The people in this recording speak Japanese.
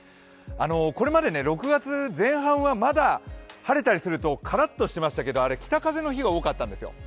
これまで６月前半はまだ晴れたりするとカラッとしてましたけどあれ、北風の日が多かったんですよ